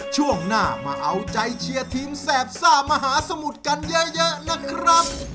ช่วงหน้ามาเอาใจเชียร์ทีมแสบซ่ามหาสมุทรกันเยอะนะครับ